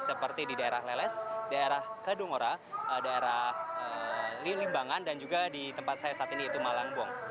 seperti di daerah leles daerah kedungora daerah lilimbangan dan juga di tempat saya saat ini yaitu malangbong